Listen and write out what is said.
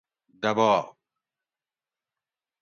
دباؤ